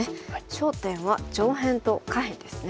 焦点は上辺と下辺ですね。